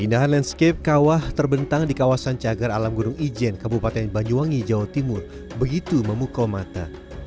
indahan landscape kawah terbentang di kawasan cagar alam gunung ijen kabupaten banyuwangi jawa timur begitu memukau mata